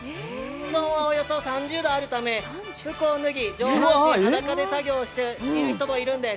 室温はおよそ３０度あるため服を脱ぎ、上半身裸で作業している人もいるんです。